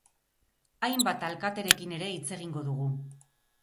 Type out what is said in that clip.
Hainbat alkaterekin ere hitz egingo dugu.